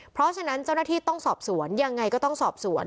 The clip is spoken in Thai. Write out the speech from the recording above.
เพราะฉะนั้นเจ้าหน้าที่ต้องสอบสวนยังไงก็ต้องสอบสวน